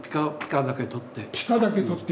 ピカだけ取って。